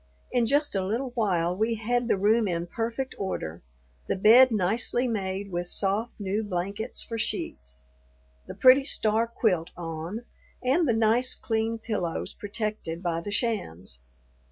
In just a little while we had the room in perfect order: the bed nicely made with soft, new blankets for sheets; the pretty star quilt on, and the nice, clean pillows protected by the shams.